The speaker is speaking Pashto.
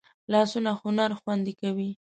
لاسونه هنر خوندي کوي